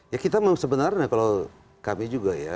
ya kita sebenarnya kalau kami juga ya